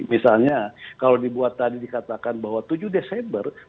misalnya kalau dibuat tadi dikatakan bahwa tujuh desember